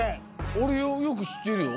俺よく知ってるよ。